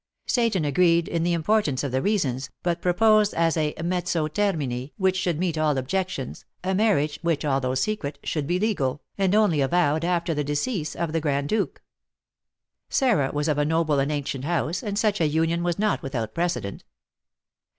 Seyton agreed in the importance of the reasons, but proposed, as a mezzo termini which should meet all objections, a marriage, which, although secret, should be legal, and only avowed after the decease of the Grand Duke. Sarah was of a noble and ancient house, and such a union was not without precedent.